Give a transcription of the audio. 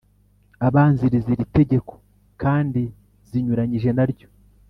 abanziriza iri tegeko kandi zinyuranyije na ryo